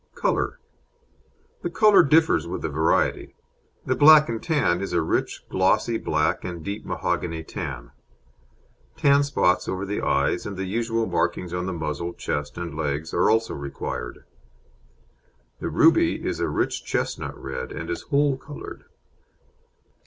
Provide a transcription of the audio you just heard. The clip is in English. COLOUR The colour differs with the variety. The Black and Tan is a rich glossy black and deep mahogany tan; tan spots over the eyes, and the usual markings on the muzzle, chest, and legs are also required. The Ruby is a rich chestnut red, and is whole coloured.